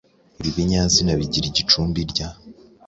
Ibi binyazina bigira igicumbi –rya.